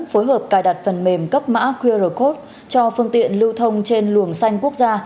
phối hợp cài đặt phần mềm cấp mã qr code cho phương tiện lưu thông trên luồng xanh quốc gia